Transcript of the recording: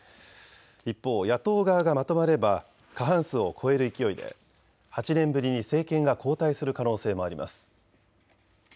一方、野党側がまとまれば過半数を超える勢いで８年ぶりに政権が交代する可能性もあります。